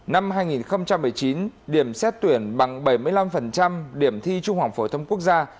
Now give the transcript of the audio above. năm hai nghìn một mươi chín điểm xét tuyển bằng bảy mươi năm điểm thi trung học phổ thông quốc gia